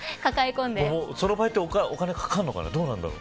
その場合ってお金かかるのかな。